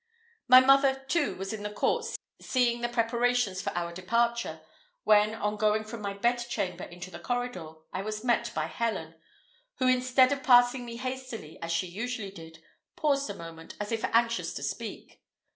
My mother, too, was in the court seeing the preparations for our departure; when, on going from my bedchamber into the corridor, I was met by Helen, who, instead of passing me hastily, as she usually did, paused a moment, as if anxious to speak.